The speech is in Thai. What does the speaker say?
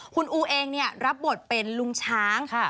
คุณอูเองรับบทเป็นลุงช้าง